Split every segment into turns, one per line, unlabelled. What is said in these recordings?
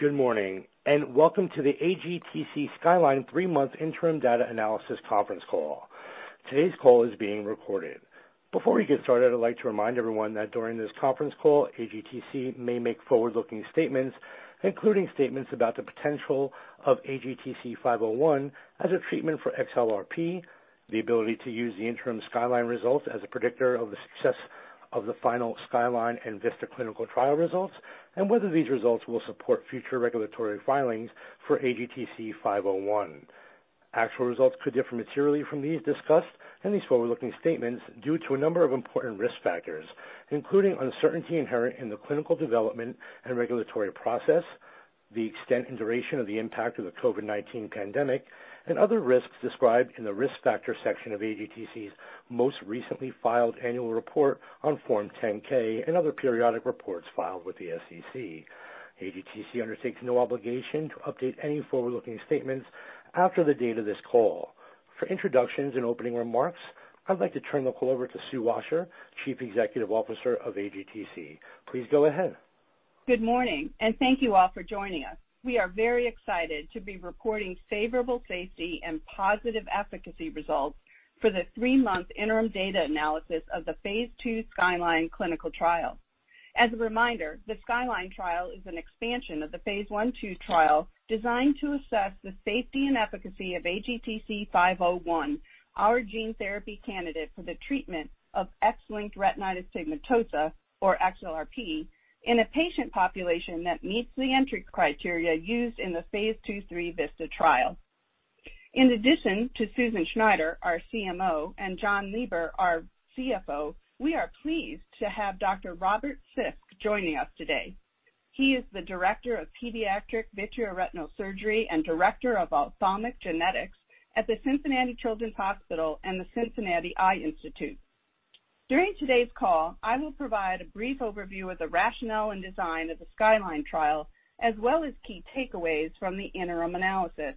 Good morning, and welcome to the AGTC Skyline three-month interim data analysis conference call. Today's call is being recorded. Before we get started, I'd like to remind everyone that during this conference call, AGTC may make forward-looking statements, including statements about the potential of AGTC-501 as a treatment for XLRP, the ability to use the interim Skyline results as a predictor of the success of the final Skyline and VISTA clinical trial results, and whether these results will support future regulatory filings for AGTC-501. Actual results could differ materially from these discussed and these forward-looking statements due to a number of important risk factors, including uncertainty inherent in the clinical development and regulatory process, the extent and duration of the impact of the COVID-19 pandemic, and other risks described in the Risk Factor section of AGTC's most recently filed annual report on Form 10-K and other periodic reports filed with the SEC. AGTC undertakes no obligation to update any forward-looking statements after the date of this call. For introductions and opening remarks, I'd like to turn the call over to Sue Washer, Chief Executive Officer of AGTC. Please go ahead
Good morning, and thank you all for joining us. We are very excited to be reporting favorable safety and positive efficacy results for the three-month interim data analysis of the phase II Skyline clinical trial. As a reminder, the Skyline trial is an expansion of the phase I/II trial designed to assess the safety and efficacy of AGTC-501, our gene therapy candidate for the treatment of X-linked retinitis pigmentosa, or XLRP, in a patient population that meets the entry criteria used in the phase II/III VISTA trial. In addition to Susan Schneider, our CMO, and Jonathan Lieber, our CFO, we are pleased to have Dr. Robert Sisk joining us today. He is the Director of Pediatric Vitreoretinal Surgery and Director of Ophthalmic Genetics at the Cincinnati Children's Hospital and the Cincinnati Eye Institute. During today's call, I will provide a brief overview of the rationale and design of the Skyline trial, as well as key takeaways from the interim analysis.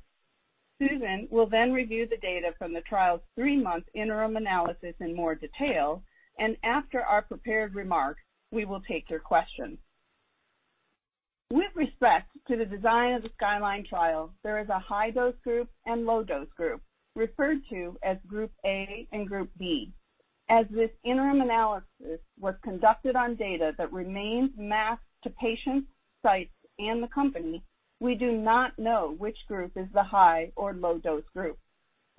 Susan will then review the data from the trial's three-month interim analysis in more detail, and after our prepared remarks, we will take your questions. With respect to the design of the Skyline trial, there is a high dose group and low dose group, referred to as Group A and Group B. As this interim analysis was conducted on data that remains masked to patients, sites, and the company, we do not know which group is the high or low dose group.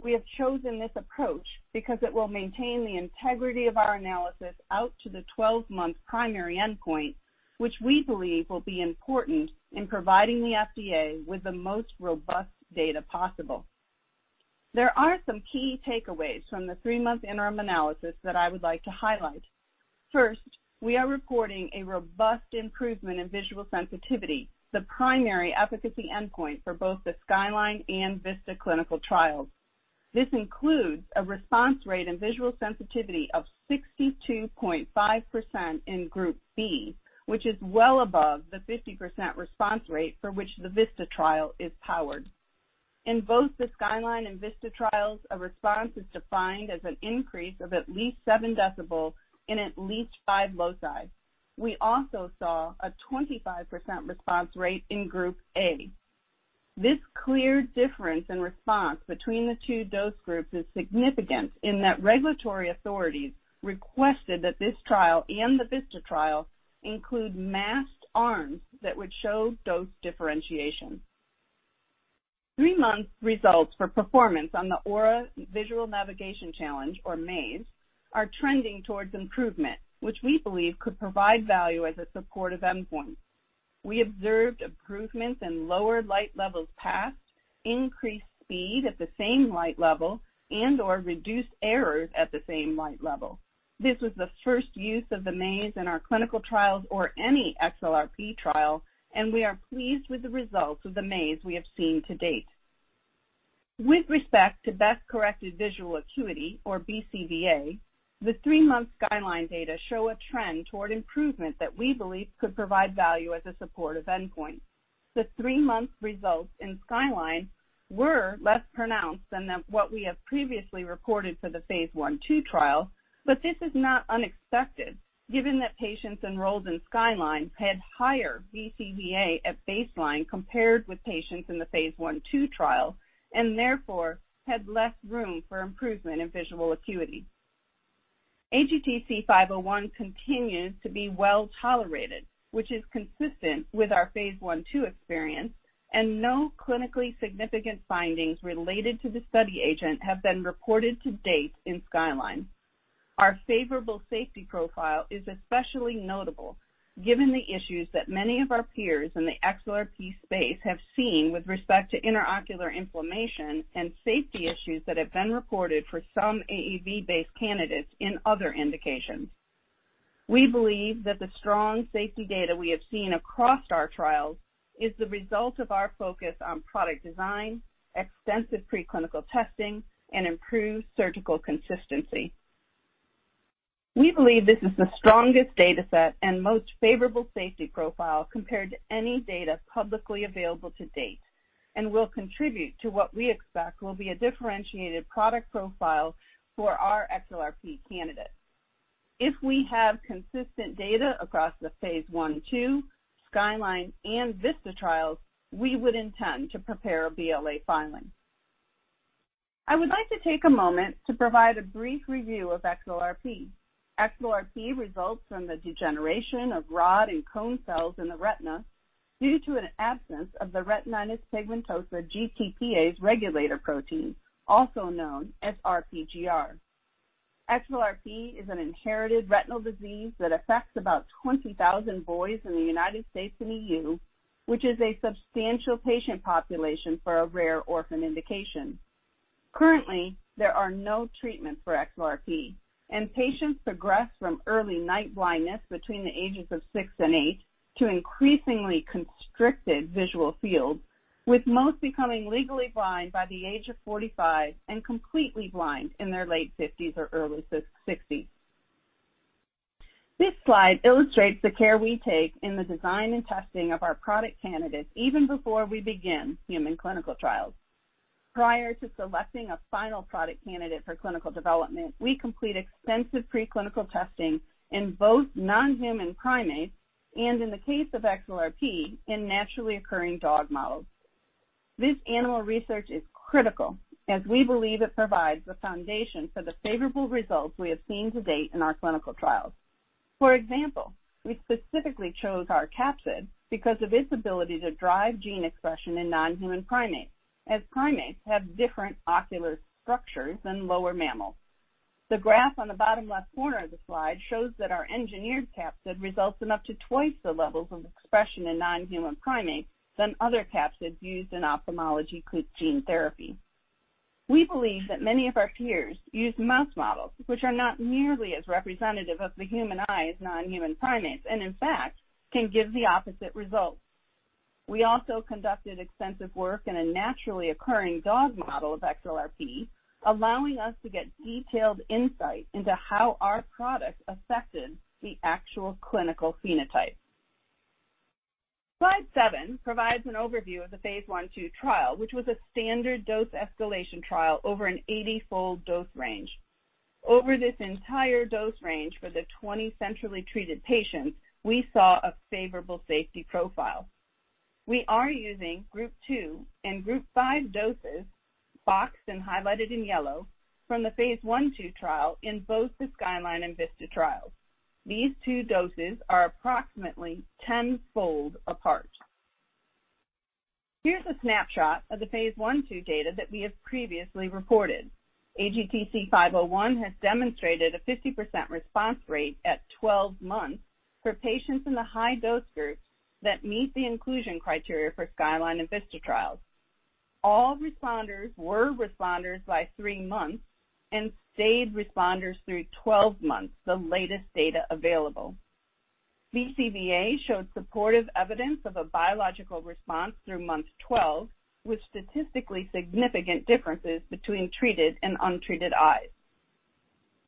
We have chosen this approach because it will maintain the integrity of our analysis out to the 12-month primary endpoint, which we believe will be important in providing the FDA with the most robust data possible. There are some key takeaways from the three-month interim analysis that I would like to highlight. First, we are reporting a robust improvement in visual sensitivity, the primary efficacy endpoint for both the Skyline and VISTA clinical trials. This includes a response rate in visual sensitivity of 62.5% in Group B, which is well above the 50% response rate for which the VISTA trial is powered. In both the Skyline and VISTA trials, a response is defined as an increase of at least 7 dB in at least five loci. We also saw a 25% response rate in Group A. This clear difference in response between the two dose groups is significant in that regulatory authorities requested that this trial and the VISTA trial include masked arms that would show dose differentiation. Three-month results for performance on the Ora Visual Navigation Challenge, or MAZE, are trending toward improvement, which we believe could provide value as a supportive endpoint. We observed improvements in lower light levels passed, increased speed at the same light level, and/or reduced errors at the same light level. This was the first use of the MAZE in our clinical trials or any XLRP trial, and we are pleased with the results of the MAZE we have seen to date. With respect to Best Corrected Visual Acuity, or BCVA, the three-month Skyline data show a trend toward improvement that we believe could provide value as a supportive endpoint. The three-month results in Skyline were less pronounced than what we have previously reported for the phase I/II trial, but this is not unexpected given that patients enrolled in Skyline had higher BCVA at baseline compared with patients in the phase I/II trial, and therefore had less room for improvement in visual acuity. AGTC-501 continues to be well-tolerated, which is consistent with our phase I/II experience, and no clinically significant findings related to the study agent have been reported to date in Skyline. Our favorable safety profile is especially notable given the issues that many of our peers in the XLRP space have seen with respect to intraocular inflammation and safety issues that have been reported for some AAV-based candidates in other indications. We believe that the strong safety data we have seen across our trials is the result of our focus on product design, extensive preclinical testing, and improved surgical consistency. We believe this is the strongest data set and most favorable safety profile compared to any data publicly available to date, and will contribute to what we expect will be a differentiated product profile for our XLRP candidate. If we have consistent data across the phase I/II, Skyline and Vista trials, we would intend to prepare a BLA filing. I would like to take a moment to provide a brief review of XLRP. XLRP results from the degeneration of rod and cone cells in the retina due to an absence of the retinitis pigmentosa GTPase regulator protein, also known as RPGR. XLRP is an inherited retinal disease that affects about 20,000 boys in the United States and EU, which is a substantial patient population for a rare orphan indication. Currently, there are no treatments for XLRP, and patients progress from early night blindness between the ages of six and eight to increasingly constricted visual fields, with most becoming legally blind by the age of 45 and completely blind in their late 50s or early 60s. This slide illustrates the care we take in the design and testing of our product candidates even before we begin human clinical trials. Prior to selecting a final product candidate for clinical development, we complete extensive preclinical testing in both non-human primates and, in the case of XLRP, in naturally occurring dog models. This animal research is critical as we believe it provides the foundation for the favorable results we have seen to date in our clinical trials. For example, we specifically chose our capsid because of its ability to drive gene expression in non-human primates, as primates have different ocular structures than lower mammals. The graph on the bottom left corner of the slide shows that our engineered capsid results in up to twice the levels of expression in non-human primates than other capsids used in ophthalmology gene therapy. We believe that many of our peers use mouse models, which are not nearly as representative of the human eye as non-human primates and, in fact, can give the opposite results. We also conducted extensive work in a naturally occurring dog model of XLRP, allowing us to get detailed insight into how our products affected the actual clinical phenotype. Slide 7 provides an overview of the phase I/II trial, which was a standard dose escalation trial over an 80-fold dose range. Over this entire dose range for the 20 centrally treated patients, we saw a favorable safety profile. We are using group two and group five doses, boxed and highlighted in yellow, from the phase I/II trial in both the Skyline and VISTA trials. These two doses are approximately 10-fold apart. Here's a snapshot of the phase I/II data that we have previously reported. AGTC-501 has demonstrated a 50% response rate at 12 months for patients in the high dose groups that meet the inclusion criteria for Skyline and VISTA trials. All responders were responders by three months and stayed responders through 12 months, the latest data available. BCVA showed supportive evidence of a biological response through month 12, with statistically significant differences between treated and untreated eyes.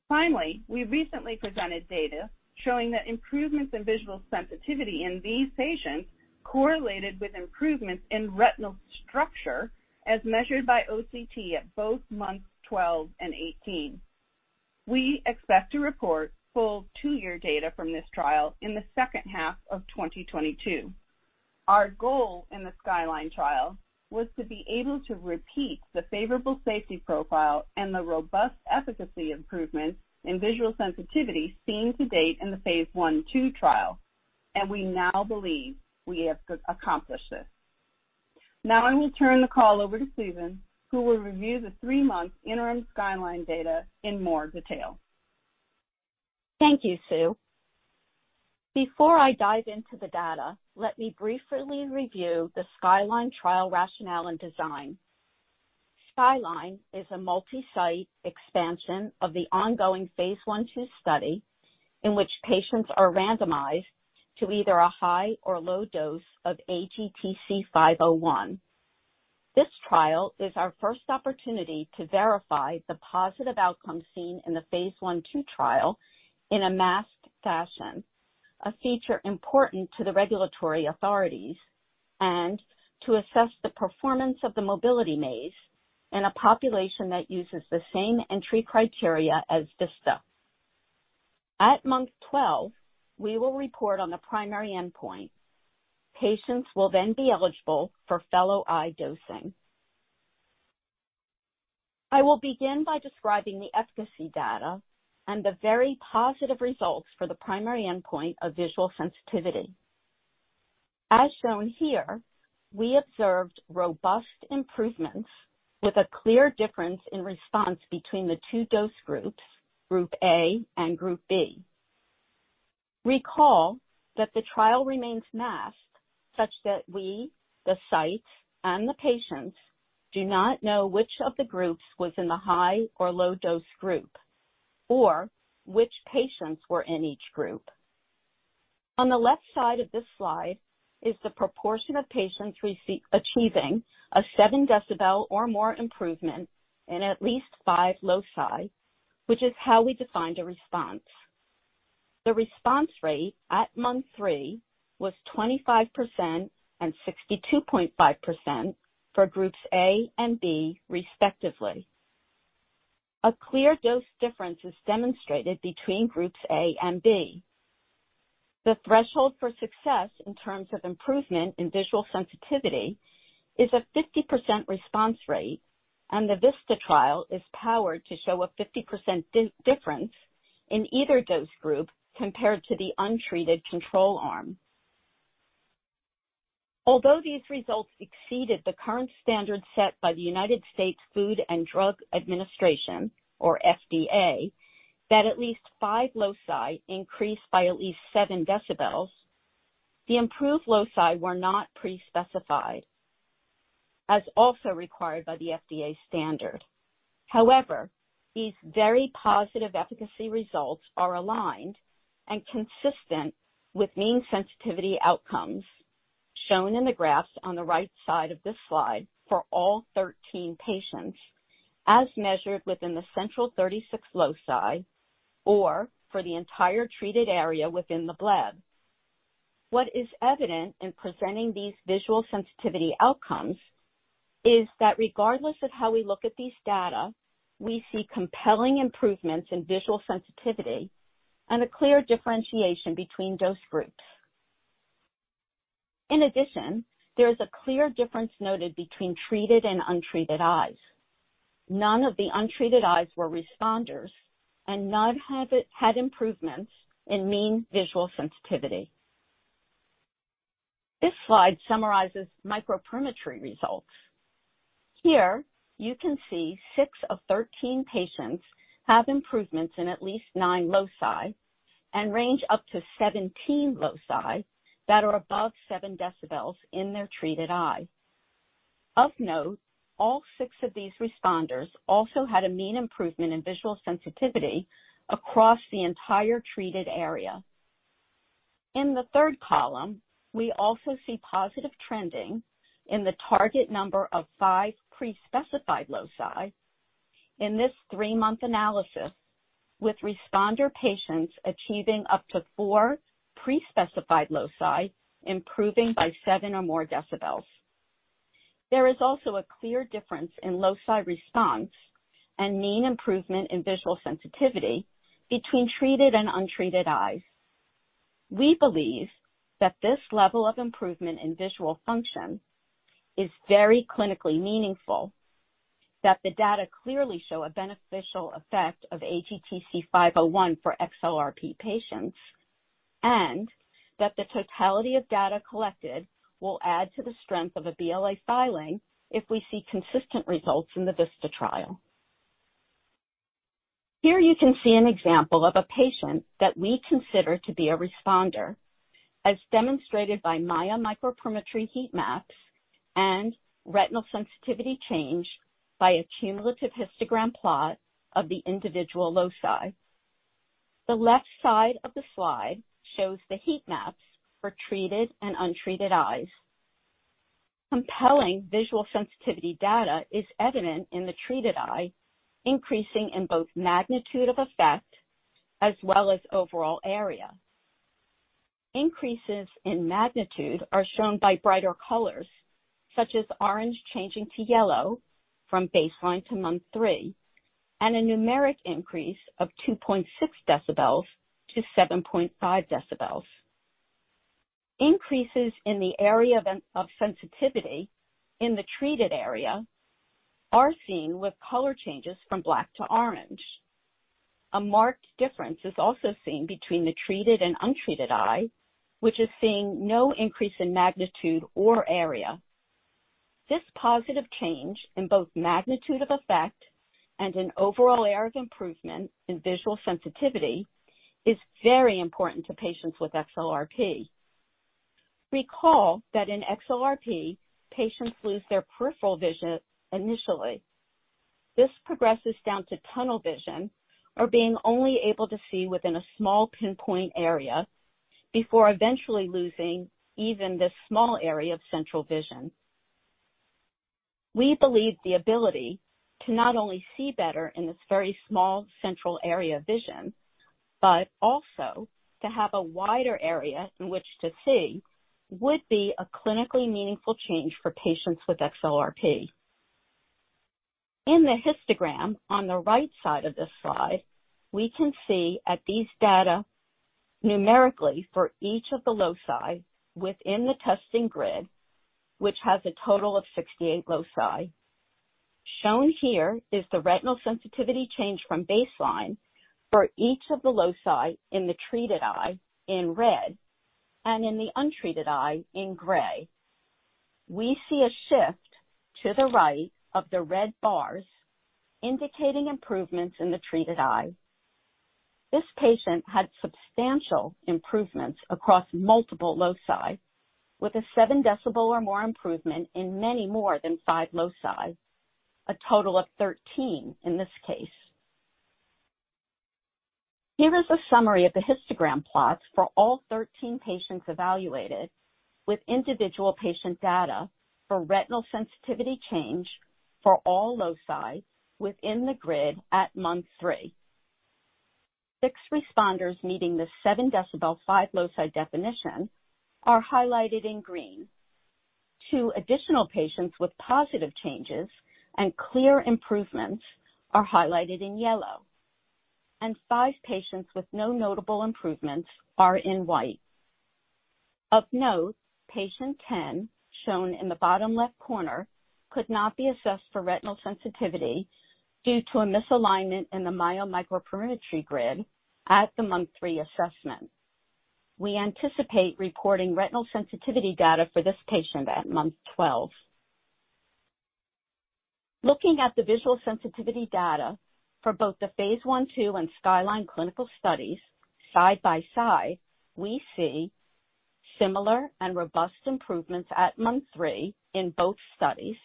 Finally, we recently presented data showing that improvements in visual sensitivity in these patients correlated with improvements in retinal structure as measured by OCT at both months 12 and 18. We expect to report full two-year data from this trial in the second half of 2022. Our goal in the Skyline trial was to be able to repeat the favorable safety profile and the robust efficacy improvements in visual sensitivity seen to date in the phase I/II trial. We now believe we have accomplished this. Now I will turn the call over to Susan, who will review the three-month interim Skyline data in more detail.
Thank you, Sue. Before I dive into the data, let me briefly review the Skyline trial rationale and design. Skyline is a multi-site expansion of the ongoing phase I/II study in which patients are randomized to either a high or low dose of AGTC-501. This trial is our first opportunity to verify the positive outcome seen in the phase I/II trial in a masked fashion, a feature important to the regulatory authorities, and to assess the performance of the mobility maze in a population that uses the same entry criteria as Vista. At month 12, we will report on the primary endpoint. Patients will then be eligible for fellow eye dosing. I will begin by describing the efficacy data and the very positive results for the primary endpoint of visual sensitivity. As shown here, we observed robust improvements with a clear difference in response between the two dose groups, group A and group B. Recall that the trial remains masked such that we, the sites, and the patients do not know which of the groups was in the high or low dose group or which patients were in each group. On the left side of this slide is the proportion of patients achieving a 7 dB or more improvement in at least five loci, which is how we defined a response. The response rate at month three was 25% and 62.5% for groups A and B respectively. A clear dose difference is demonstrated between groups A and B. The threshold for success in terms of improvement in visual sensitivity is a 50% response rate, and the VISTA trial is powered to show a 50% difference in either dose group compared to the untreated control arm. Although these results exceeded the current standard set by the United States Food and Drug Administration, or FDA, that at least five loci increased by at least 7 dB, the improved loci were not pre-specified, as also required by the FDA standard. However, these very positive efficacy results are aligned and consistent with mean sensitivity outcomes shown in the graphs on the right side of this slide for all 13 patients, as measured within the central 36 loci, or for the entire treated area within the bleb. What is evident in presenting these visual sensitivity outcomes is that regardless of how we look at these data, we see compelling improvements in visual sensitivity and a clear differentiation between dose groups. In addition, there is a clear difference noted between treated and untreated eyes. None of the untreated eyes were responders, and none had improvements in mean visual sensitivity. This slide summarizes microperimetry results. Here you can see six of 13 patients have improvements in at least nine loci and range up to 17 loci that are above 7 dB in their treated eye. Of note, all six of these responders also had a mean improvement in visual sensitivity across the entire treated area. In the third column, we also see positive trending in the target number of five pre-specified loci in this three-month analysis, with responder patients achieving up to four pre-specified loci, improving by seven or more decibels. There is also a clear difference in loci response and mean improvement in visual sensitivity between treated and untreated eyes. We believe that this level of improvement in visual function is very clinically meaningful, that the data clearly show a beneficial effect of AGTC-501 for XLRP patients, and that the totality of data collected will add to the strength of a BLA filing if we see consistent results in the VISTA trial. Here you can see an example of a patient that we consider to be a responder, as demonstrated by MAIA microperimetry heat maps and retinal sensitivity change by a cumulative histogram plot of the individual loci. The left side of the slide shows the heat maps for treated and untreated eyes. Compelling visual sensitivity data is evident in the treated eye, increasing in both magnitude of effect as well as overall area. Increases in magnitude are shown by brighter colors, such as orange changing to yellow from baseline to month three, and a numeric increase of 2.6 dB to 7.5 dB. Increases in the area of sensitivity in the treated area are seen with color changes from black to orange. A marked difference is also seen between the treated and untreated eye, which is seeing no increase in magnitude or area. This positive change in both magnitude of effect and in overall area of improvement in visual sensitivity is very important to patients with XLRP. Recall that in XLRP, patients lose their peripheral vision initially. This progresses down to tunnel vision or being only able to see within a small pinpoint area before eventually losing even this small area of central vision. We believe the ability to not only see better in this very small central area of vision, but also to have a wider area in which to see, would be a clinically meaningful change for patients with XLRP. In the histogram on the right side of this slide, we can see at these data numerically for each of the loci within the testing grid, which has a total of 68 loci. Shown here is the retinal sensitivity change from baseline for each of the loci in the treated eye in red and in the untreated eye in gray. We see a shift to the right of the red bars, indicating improvements in the treated eye. This patient had substantial improvements across multiple loci with a 7-dB or more improvement in many more than 5 loci. A total of 13 in this case. Here is a summary of the histogram plots for all 13 patients evaluated with individual patient data for retinal sensitivity change. For all loci within the grid at month three. Six responders meeting the 7-dB 5 loci definition are highlighted in green. Two additional patients with positive changes and clear improvements are highlighted in yellow, and five patients with no notable improvements are in white. Of note, patient 10, shown in the bottom left corner, could not be assessed for retinal sensitivity due to a misalignment in the MAIA microperimetry grid at the month three assessment. We anticipate reporting retinal sensitivity data for this patient at month 12. Looking at the visual sensitivity data for both the phase I/II and Skyline clinical studies side by side, we see similar and robust improvements at month three in both studies,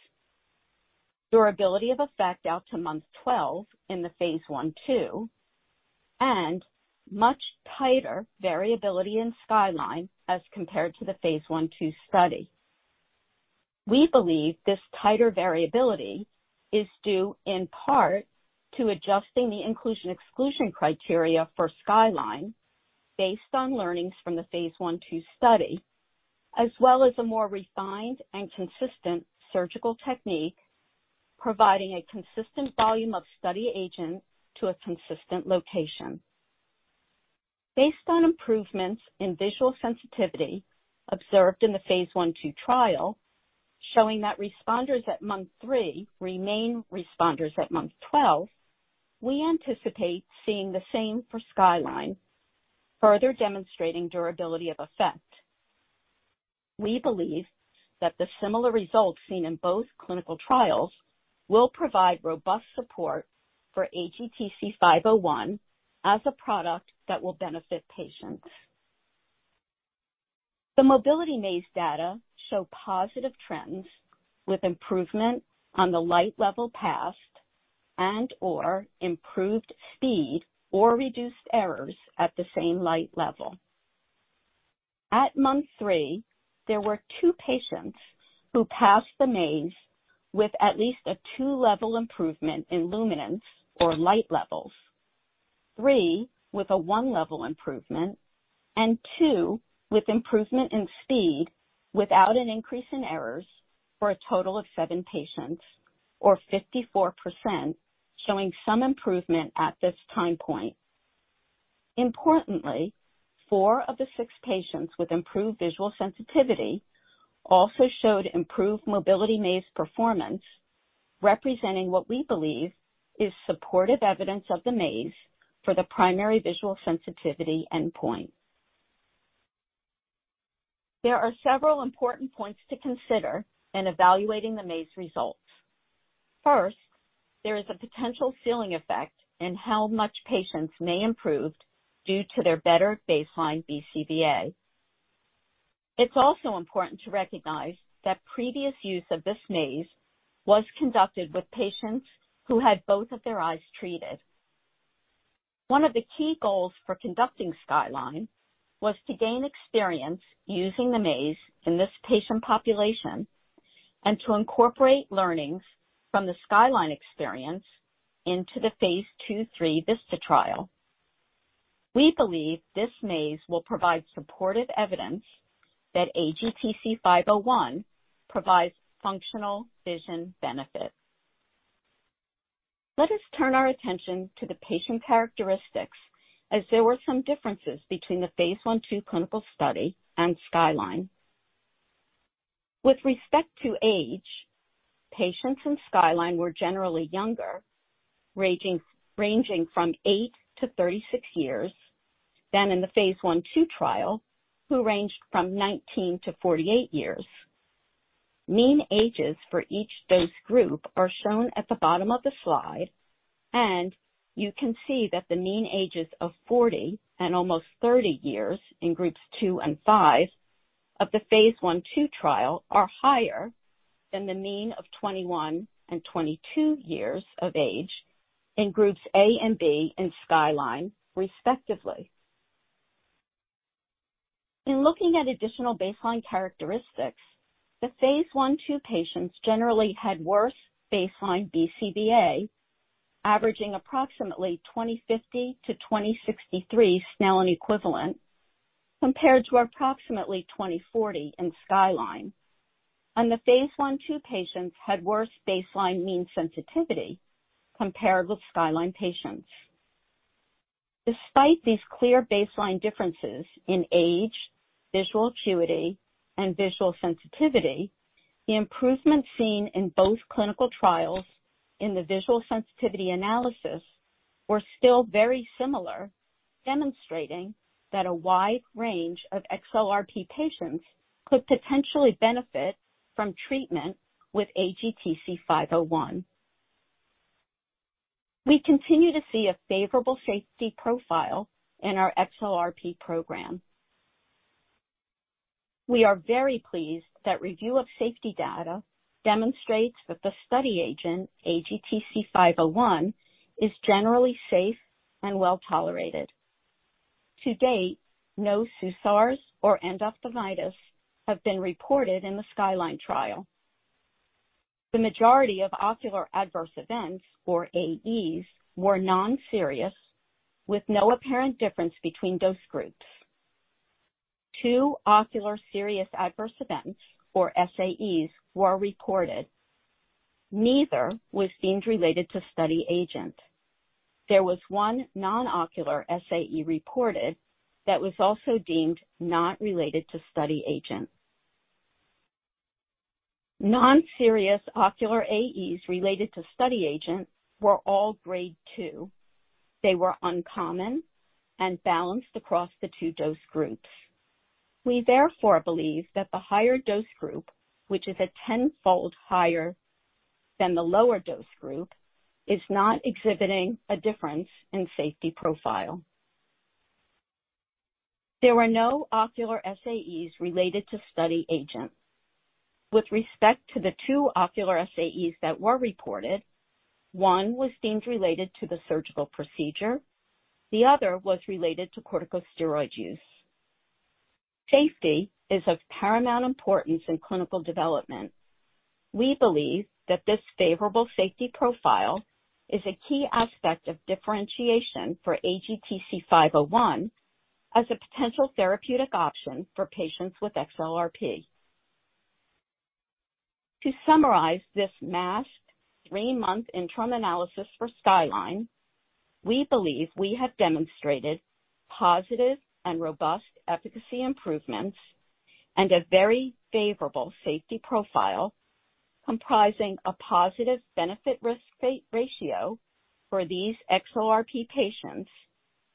durability of effect out to month 12 in the phase I/II, and much tighter variability in Skyline as compared to the phase I/II study. We believe this tighter variability is due in part to adjusting the inclusion/exclusion criteria for Skyline based on learnings from the phase I/II study, as well as a more refined and consistent surgical technique, providing a consistent volume of study agent to a consistent location. Based on improvements in visual sensitivity observed in the phase I/II trial, showing that responders at month three remain responders at month 12. We anticipate seeing the same for Skyline, further demonstrating durability of effect. We believe that the similar results seen in both clinical trials will provide robust support for AGTC-501 as a product that will benefit patients. The mobility maze data show positive trends with improvement on the light level passed and/or improved speed or reduced errors at the same light level. At month three, there were two patients who passed the maze with at least a two-level improvement in luminance or light levels, three with a one-level improvement, and two with improvement in speed without an increase in errors, for a total of seven patients, or 54%, showing some improvement at this time point. Importantly, four of the six patients with improved visual sensitivity also showed improved mobility maze performance, representing what we believe is supportive evidence of the maze for the primary visual sensitivity endpoint. There are several important points to consider in evaluating the maze results. First, there is a potential ceiling effect in how much patients may improve due to their better baseline BCVA. It's also important to recognize that previous use of this maze was conducted with patients who had both of their eyes treated. One of the key goals for conducting Skyline was to gain experience using the maze in this patient population and to incorporate learnings from the Skyline experience into the phase II/III VISTA trial. We believe this maze will provide supportive evidence that AGTC 501 provides functional vision benefits. Let us turn our attention to the patient characteristics as there were some differences between the phase I/II clinical study and Skyline. With respect to age, patients in Skyline were generally younger, ranging from eight to 36 years, than in the phase I/II trial, who ranged from 19-48 years. Mean ages for each dose group are shown at the bottom of the slide, and you can see that the mean ages of 40 and almost 30 years in groups two and five of the phase I/II trial are higher than the mean of 21 and 22 years of age in groups A and B in Skyline, respectively. In looking at additional baseline characteristics, the phase I/II patients generally had worse baseline BCVA, averaging approximately 20/50 to 20/63 Snellen equivalent, compared to approximately 20/40 in Skyline. The phase I/II patients had worse baseline mean sensitivity compared with Skyline patients. Despite these clear baseline differences in age, visual acuity, and visual sensitivity, the improvements seen in both clinical trials in the visual sensitivity analysis were still very similar, demonstrating that a wide range of XLRP patients could potentially benefit from treatment with AGTC-501. We continue to see a favorable safety profile in our XLRP program. We are very pleased that review of safety data demonstrates that the study agent, AGTC-501, is generally safe and well tolerated. To date, no PSUs or endophthalmitis have been reported in the Skyline trial. The majority of ocular adverse events, or AEs, were non-serious, with no apparent difference between dose groups. Two ocular serious adverse events, or SAEs, were recorded. Neither was deemed related to study agent. There was one non-ocular SAE reported that was also deemed not related to study agent. Non-serious ocular AEs related to study agent were all grade two. They were uncommon and balanced across the two dose groups. We therefore believe that the higher dose group, which is a tenfold higher than the lower dose group, is not exhibiting a difference in safety profile. There were no ocular SAEs related to study agent. With respect to the two ocular SAEs that were reported, one was deemed related to the surgical procedure, the other was related to corticosteroid use. Safety is of paramount importance in clinical development. We believe that this favorable safety profile is a key aspect of differentiation for AGTC-501 as a potential therapeutic option for patients with XLRP. To summarize this masked three-month interim analysis for Skyline, we believe we have demonstrated positive and robust efficacy improvements and a very favorable safety profile comprising a positive benefit-risk ratio for these XLRP patients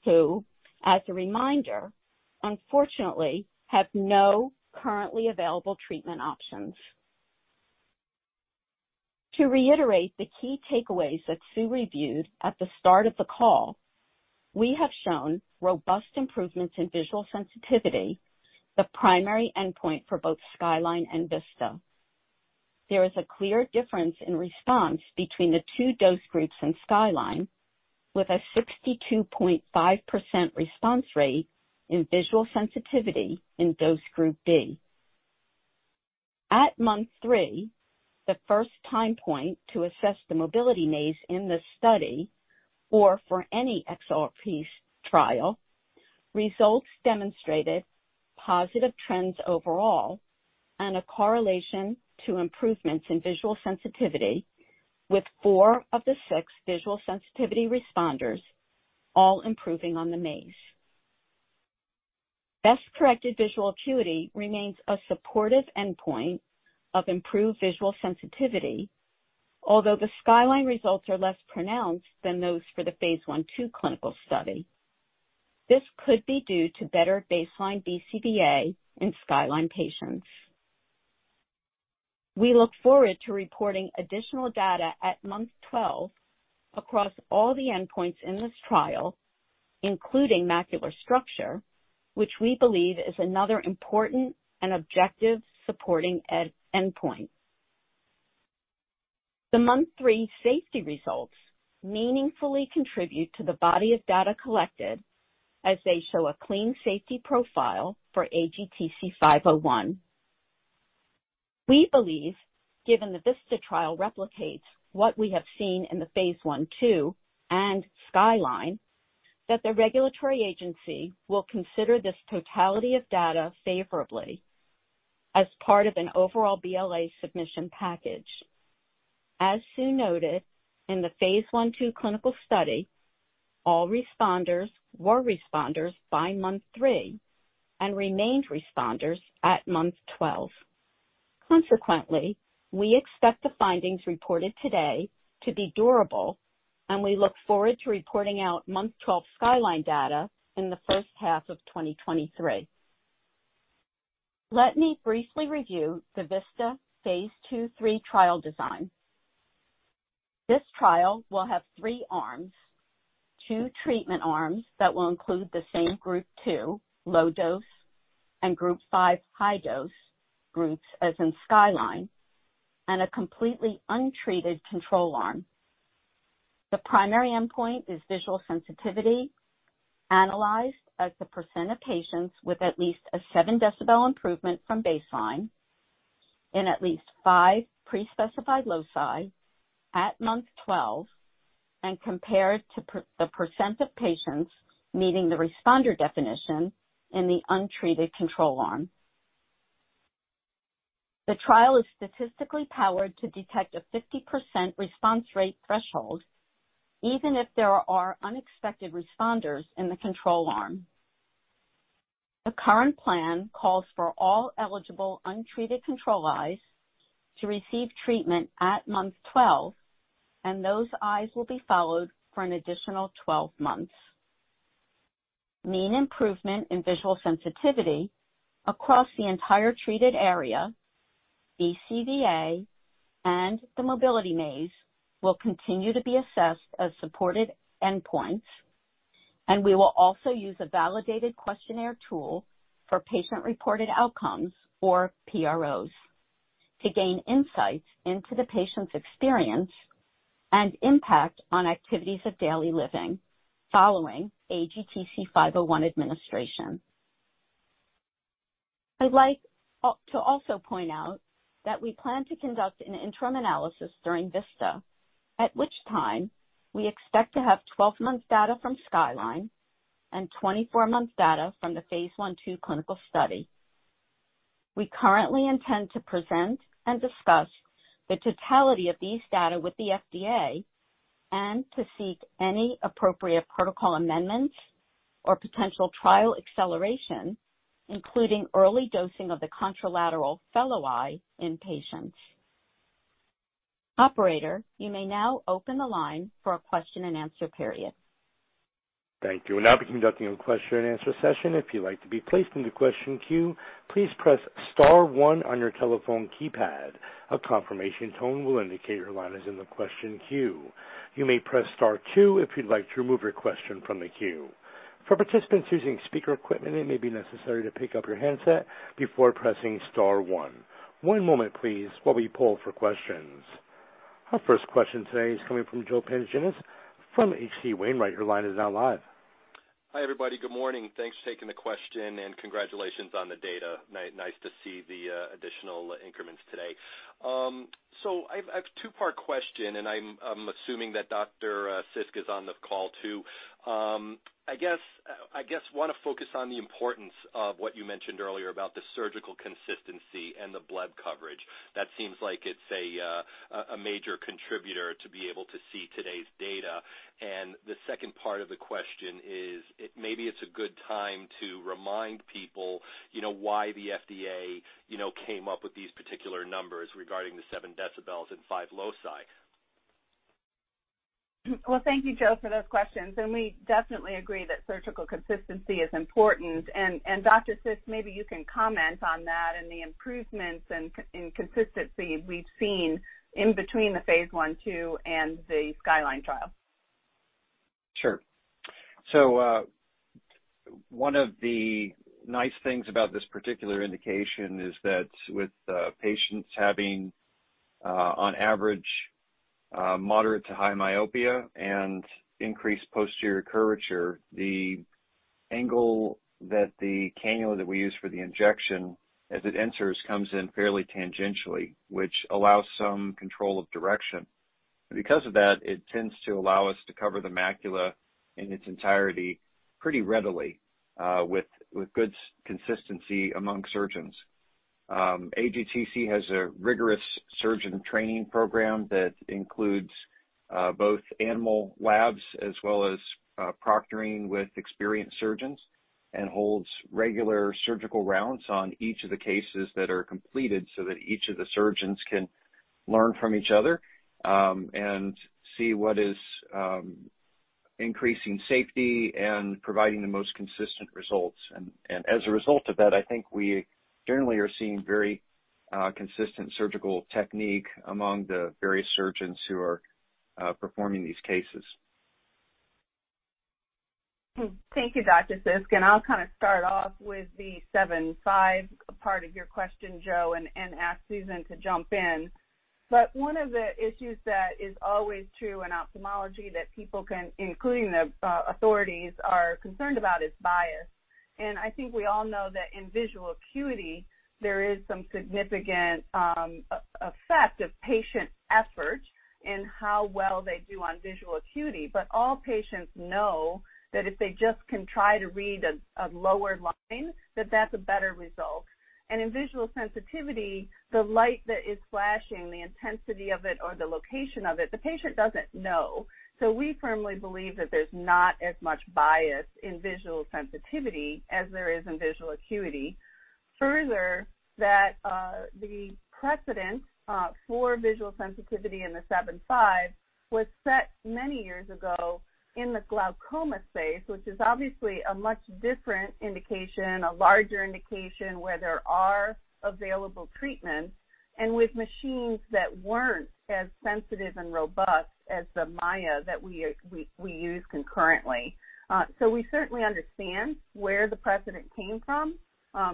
who, as a reminder, unfortunately, have no currently available treatment options. To reiterate the key takeaways that Sue reviewed at the start of the call, we have shown robust improvements in visual sensitivity, the primary endpoint for both Skyline and Vista. There is a clear difference in response between the two dose groups in Skyline, with a 62.5% response rate in visual sensitivity in dose group B. At month three, the first time point to assess the mobility maze in this study, or for any XLRP trial, results demonstrated positive trends overall and a correlation to improvements in visual sensitivity, with four of the six visual sensitivity responders all improving on the maze. Best Corrected Visual Acuity remains a supportive endpoint of improved visual sensitivity. Although the Skyline results are less pronounced than those for the phase I/II clinical study. This could be due to better baseline BCVA in Skyline patients. We look forward to reporting additional data at month 12 across all the endpoints in this trial, including macular structure, which we believe is another important and objective supporting endpoint. The month three safety results meaningfully contribute to the body of data collected as they show a clean safety profile for AGTC-501. We believe, given the VISTA trial replicates what we have seen in the phase I/II and Skyline, that the regulatory agency will consider this totality of data favorably as part of an overall BLA submission package. As Sue noted in the phase I/II clinical study, all responders were responders by month three and remained responders at month 12. Consequently, we expect the findings reported today to be durable, and we look forward to reporting out month 12 Skyline data in the first half of 2023. Let me briefly review the VISTA phase II/III trial design. This trial will have three arms, two treatment arms that will include the same Group two low dose and Group five high dose groups as in Skyline, and a completely untreated control arm. The primary endpoint is visual sensitivity, analyzed as the % of patients with at least a 7-dB improvement from baseline in at least five pre-specified loci at month 12 and compared to the % of patients meeting the responder definition in the untreated control arm. The trial is statistically powered to detect a 50% response rate threshold, even if there are unexpected responders in the control arm. The current plan calls for all eligible untreated control eyes to receive treatment at month 12, and those eyes will be followed for an additional 12 months. Mean improvement in visual sensitivity across the entire treated area, BCVA and the mobility maze will continue to be assessed as supported endpoints, and we will also use a validated questionnaire tool for patient-reported outcomes, or PROs. To gain insights into the patient's experience and impact on activities of daily living following AGTC 501 administration. I'd like to also point out that we plan to conduct an interim analysis during VISTA, at which time we expect to have 12-month data from Skyline and 24-month data from the Phase I/II clinical study. We currently intend to present and discuss the totality of these data with the FDA and to seek any appropriate protocol amendments or potential trial acceleration, including early dosing of the contralateral fellow eye in patients. Operator, you may now open the line for a question-and-answer period.
Thank you. We'll now be conducting a question-and-answer session. If you'd like to be placed into question queue, please press star one on your telephone keypad. A confirmation tone will indicate your line is in the question queue. You may press star two if you'd like to remove your question from the queue. For participants using speaker equipment, it may be necessary to pick up your handset before pressing star one. One moment please, while we poll for questions. Our first question today is coming from Joseph Pantginiss from H.C. Wainwright. Your line is now live.
Hi, everybody. Good morning. Thanks for taking the question and congratulations on the data. Nice to see the additional increments today. So I've two-part question, and I'm assuming that Dr. Sisk is on the call too. I guess want to focus on the importance of what you mentioned earlier about the surgical consistency and the blood coverage. That seems like it's a major contributor to be able to see today's data. The second part of the question is, it maybe it's a good time to remind people, you know, why the FDA, you know, came up with these particular numbers regarding the 7 dB and five loci.
Well, thank you, Joe, for those questions, and we definitely agree that surgical consistency is important. Dr. Sisk, maybe you can comment on that and the improvements and consistency we've seen in between the Phase I, II and the Skyline trial.
Sure. One of the nice things about this particular indication is that with patients having on average moderate to high myopia and increased posterior curvature, the angle that the cannula that we use for the injection as it enters comes in fairly tangentially, which allows some control of direction. Because of that, it tends to allow us to cover the macula in its entirety pretty readily with good consistency among surgeons. AGTC has a rigorous surgeon training program that includes both animal labs as well as proctoring with experienced surgeons and holds regular surgical rounds on each of the cases that are completed so that each of the surgeons can learn from each other and see what is increasing safety and providing the most consistent results. As a result of that, I think we generally are seeing very consistent surgical technique among the various surgeons who are performing these cases.
Thank you, Dr. Sisk. I'll kind of start off with the 75 part of your question, Joe, and ask Susan to jump in. One of the issues that is always true in ophthalmology that people, including the authorities, are concerned about is bias. I think we all know that in visual acuity, there is some significant effect of patient effort in how well they do on visual acuity. All patients know that if they just try to read a lower line, that that's a better result. In visual sensitivity, the light that is flashing, the intensity of it or the location of it, the patient doesn't know. We firmly believe that there's not as much bias in visual sensitivity as there is in visual acuity. Further, that the precedent for visual sensitivity in the 75 was set many years ago in the glaucoma space, which is obviously a much different indication, a larger indication where there are available treatments and with machines that weren't as sensitive and robust as the MAIA that we use concurrently. We certainly understand where the precedent came from,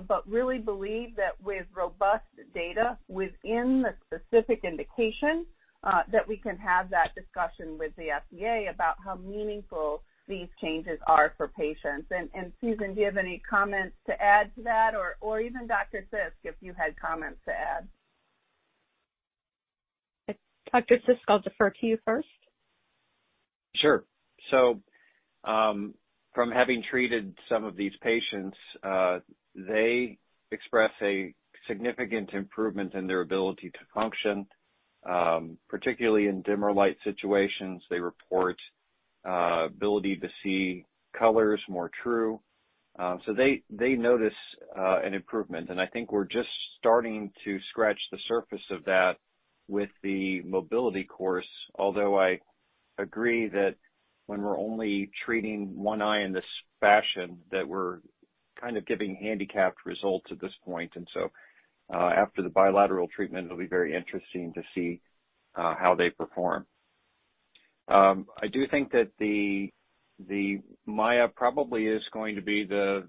but really believe that with robust data within the specific indication, that we can have that discussion with the FDA about how meaningful these changes are for patients. Susan, do you have any comments to add to that? Even Dr. Sisk, if you had comments to add.
Dr. Sisk, I'll defer to you first.
Sure. From having treated some of these patients, they express a significant improvement in their ability to function, particularly in dimmer light situations. They report ability to see colors more true. They notice an improvement. I think we're just starting to scratch the surface of that with the mobility course. Although I agree that when we're only treating one eye in this fashion, that we're kind of giving handicapped results at this point. After the bilateral treatment, it'll be very interesting to see how they perform. I do think that the MAIA probably is going to be the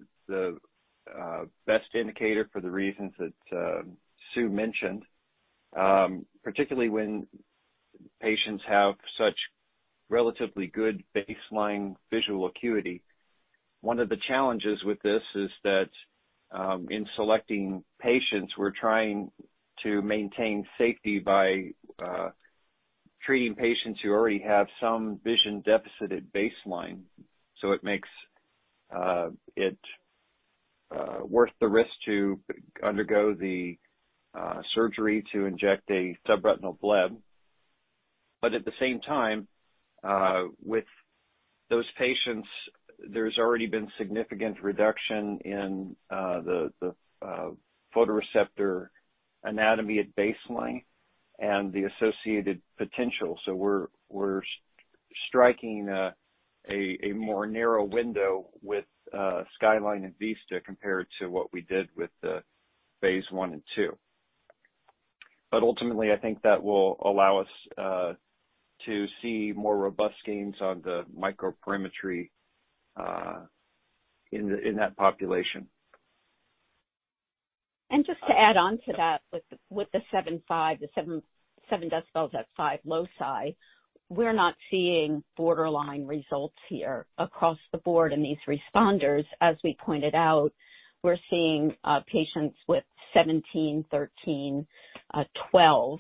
best indicator for the reasons that Sue mentioned. Particularly when patients have such relatively good baseline visual acuity. One of the challenges with this is that, in selecting patients, we're trying to maintain safety by treating patients who already have some vision deficit at baseline. It makes it worth the risk to undergo the surgery to inject a subretinal bleb. At the same time, with those patients, there's already been significant reduction in the photoreceptor anatomy at baseline and the associated potential. We're striking a more narrow window with Skyline and VISTA compared to what we did with the phase I and II. Ultimately, I think that will allow us to see more robust gains on the microperimetry in that population.
Just to add on to that, with the 7.5, 7 dB at five loci, we're not seeing borderline results here across the board in these responders. As we pointed out, we're seeing patients with 17, 13, 12,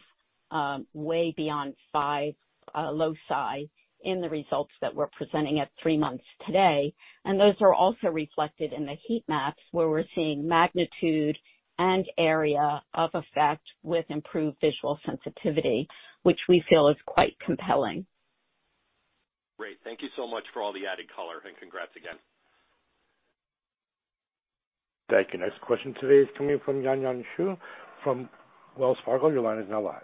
way beyond five loci in the results that we're presenting at three months today. Those are also reflected in the heat maps, where we're seeing magnitude and area of effect with improved visual sensitivity, which we feel is quite compelling.
Great. Thank you so much for all the added color and congrats again.
Thank you. Next question today is coming from Yanan Zhu from Wells Fargo. Your line is now live.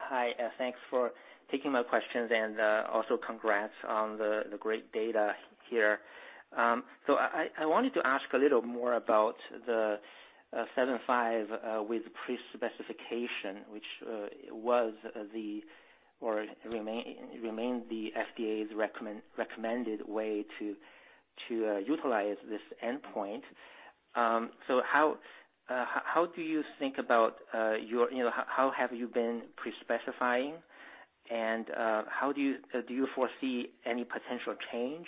Hi, thanks for taking my questions and, also congrats on the great data here. So I wanted to ask a little more about the 75 with pre-specification, which remained the FDA's recommended way to utilize this endpoint. So how do you think about your. You know, how have you been pre-specifying, and how do you foresee any potential change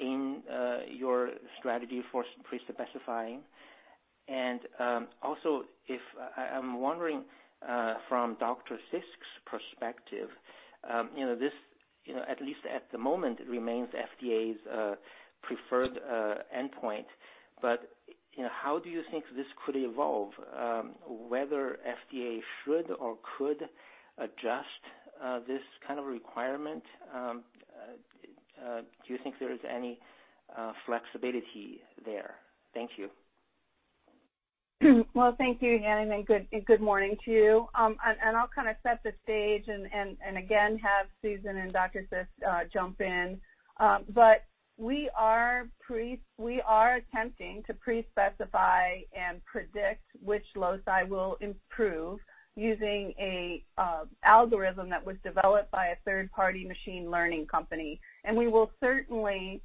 in your strategy for pre-specifying? Also I'm wondering from Dr. Sisk's perspective, you know, this, you know, at least at the moment, remains FDA's preferred endpoint. You know, how do you think this could evolve, whether FDA should or could adjust this kind of requirement? Do you think there is any flexibility there? Thank you.
Well, thank you Yanan, and good morning to you. I'll kind of set the stage and again have Susan and Dr. Sisk jump in. We are attempting to pre-specify and predict which loci will improve using a algorithm that was developed by a third-party machine learning company. We will certainly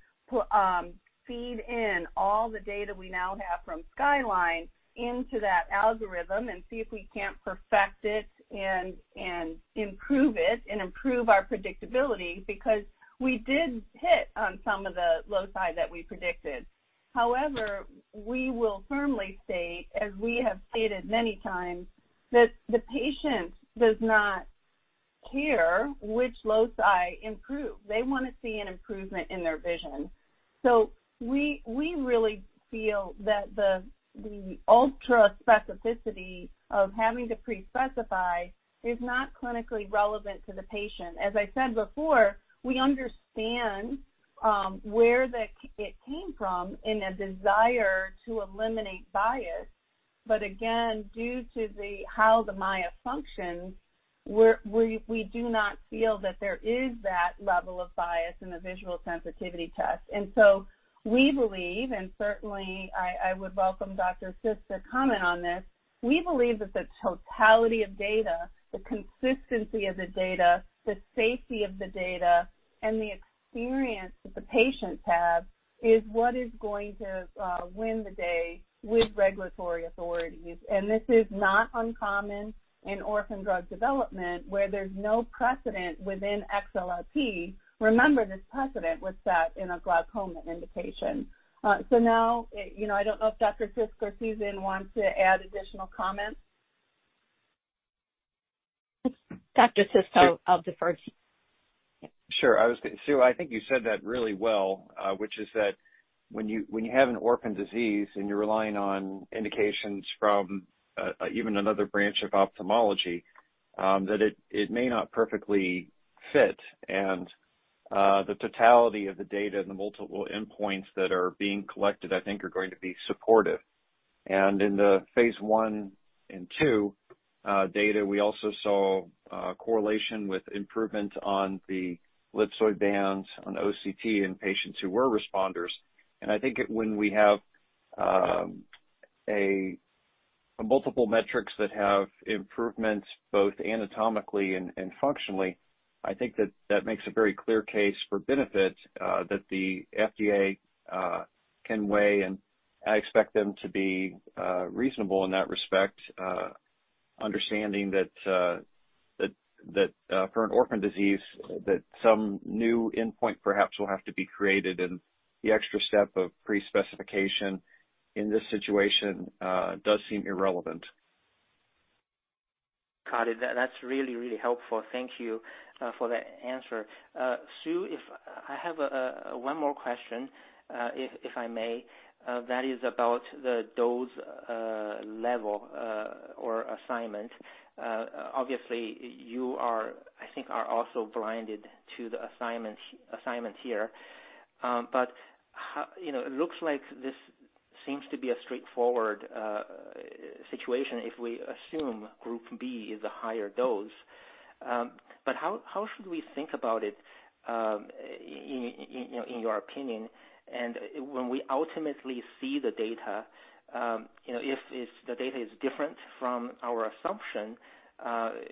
feed in all the data we now have from Skyline into that algorithm and see if we can't perfect it and improve it and improve our predictability, because we did hit on some of the loci that we predicted. However, we will firmly state, as we have stated many times, that the patient does not care which loci improve. They want to see an improvement in their vision. We really feel that the ultra specificity of having to pre-specify is not clinically relevant to the patient. As I said before, we understand where it came from in a desire to eliminate bias. Again, due to how the MAIA functions, we do not feel that there is that level of bias in the visual sensitivity test. We believe, and certainly I would welcome Dr. Sisk to comment on this. We believe that the totality of data, the consistency of the data, the safety of the data, and the experience that the patients have is what is going to win the day with regulatory authorities. This is not uncommon in orphan drug development, where there's no precedent within XLRP. Remember, this precedent was set in a glaucoma indication. Now, you know, I don't know if Dr. Sisk or Susan want to add additional comments.
Dr. Sisk, I'll defer to you.
Sure. I was gonna, Sue, I think you said that really well. Which is that when you have an orphan disease and you're relying on indications from even another branch of ophthalmology, that it may not perfectly fit. The totality of the data and the multiple endpoints that are being collected, I think are going to be supportive. In the phase I and II data, we also saw correlation with improvement on the ellipsoid zone on OCT in patients who were responders. I think when we have on multiple metrics that have improvements both anatomically and functionally, I think that makes a very clear case for benefit that the FDA can weigh. I expect them to be reasonable in that respect, understanding that for an orphan disease that some new endpoint perhaps will have to be created and the extra step of pre-specification in this situation does seem irrelevant.
Got it. That's really, really helpful. Thank you for that answer. Sue, if I have one more question, if I may, that is about the dose level or assignment. Obviously you are, I think, also blinded to the assignment here.
You know, it looks like this seems to be a straightforward situation if we assume group B is a higher dose. But how should we think about it in your opinion? When we ultimately see the data, you know, if the data is different from our assumption,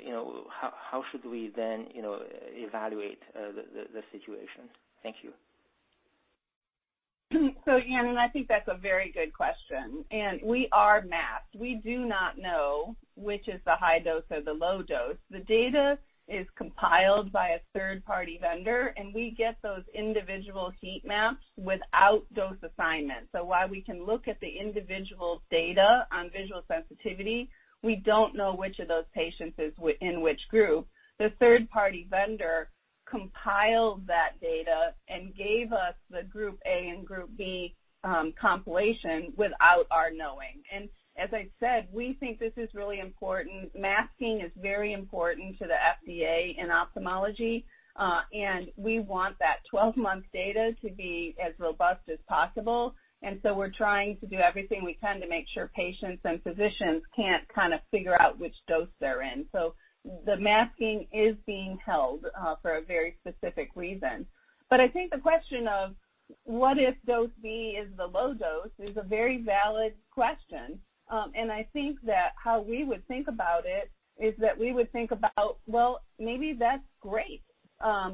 you know, how should we then, you know, evaluate the situation? Thank you.
Yanan, I think that's a very good question. We are masked. We do not know which is the high dose or the low dose. The data is compiled by a third-party vendor, and we get those individual heat maps without dose assignment. While we can look at the individual data on visual sensitivity, we don't know which of those patients is in which group. The third party vendor compiled that data and gave us the group A and group B compilation without our knowing. As I said, we think this is really important. Masking is very important to the FDA in ophthalmology. We want that 12-month data to be as robust as possible. We're trying to do everything we can to make sure patients and physicians can't kind of figure out which dose they're in. The masking is being held for a very specific reason. I think the question of what if dose B is the low dose is a very valid question. I think that how we would think about it is that we would think about, well, maybe that's great.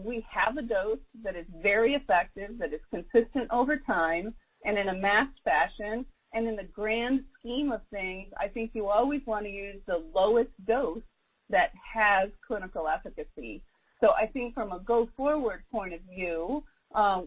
We have a dose that is very effective, that is consistent over time and in a masked fashion. In the grand scheme of things, I think you always wanna use the lowest dose that has clinical efficacy. I think from a go forward point of view,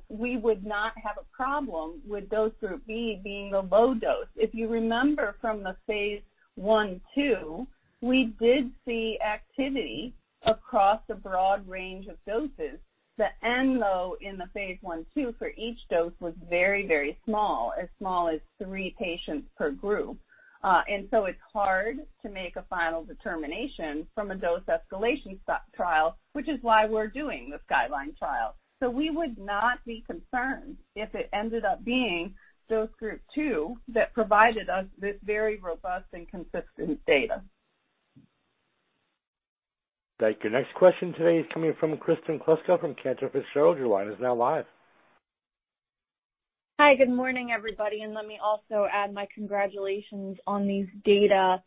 we would not have a problem with dose group B being the low dose. If you remember from the Phase I/II, we did see activity across a broad range of doses. The n, though, in the phase I/II for each dose was very, very small, as small as three patients per group. It's hard to make a final determination from a dose escalation trial, which is why we're doing the Skyline trial. We would not be concerned if it ended up being dose group two that provided us this very robust and consistent data.
Thank you. Next question today is coming from Kristen Kluska from Cantor Fitzgerald. Your line is now live.
Hi, good morning, everybody, and let me also add my congratulations on these data.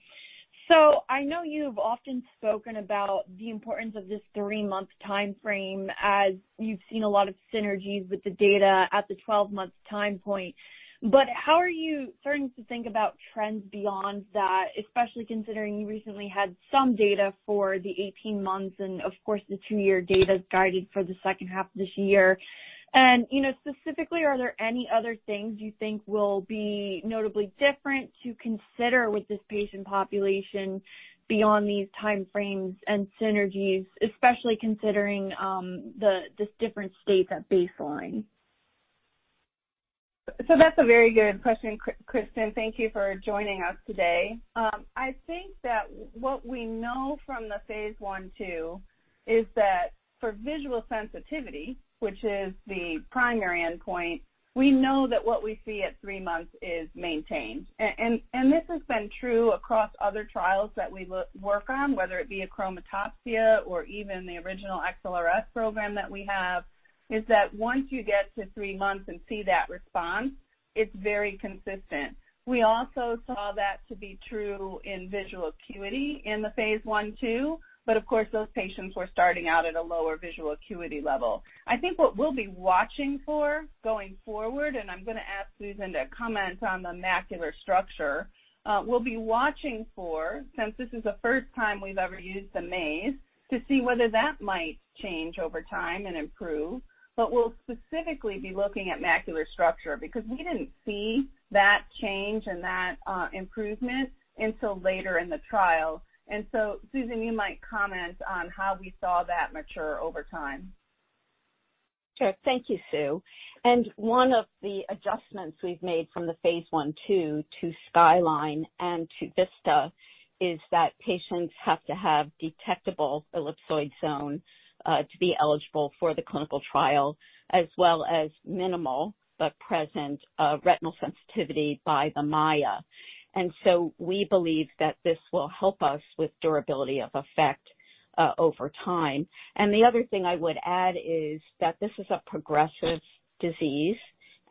I know you've often spoken about the importance of this three-month timeframe, as you've seen a lot of synergies with the data at the 12-month time point. How are you starting to think about trends beyond that, especially considering you recently had some data for the 18 months and of course, the two-year data is guided for the second half of this year. You know, specifically, are there any other things you think will be notably different to consider with this patient population beyond these time frames and synergies, especially considering, this different state at baseline?
That's a very good question, Kristen. Thank you for joining us today. I think that what we know from the phase I/II is that for visual sensitivity, which is the primary endpoint, we know that what we see at three months is maintained. This has been true across other trials that we work on, whether it be achromatopsia or even the original XLRS program that we have, is that once you get to three months and see that response, it's very consistent. We also saw that to be true in visual acuity in the phase I/II. Of course, those patients were starting out at a lower visual acuity level. I think what we'll be watching for going forward, and I'm gonna ask Susan to comment on the macular structure, since this is the first time we've ever used the MAZE, to see whether that might change over time and improve. We'll specifically be looking at macular structure because we didn't see that change and that improvement until later in the trial. Susan, you might comment on how we saw that mature over time.
Sure. Thank you, Sue. One of the adjustments we've made from the phase I/II to Skyline and to VISTA is that patients have to have detectable ellipsoid zone to be eligible for the clinical trial, as well as minimal but present retinal sensitivity by the MAIA. We believe that this will help us with durability of effect over time. The other thing I would add is that this is a progressive disease.